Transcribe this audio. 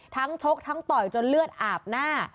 ชกทั้งต่อยจนเลือดอาบหน้า